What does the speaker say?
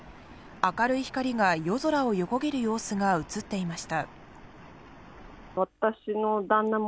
明るい光が夜空を横切る様子が映っていました。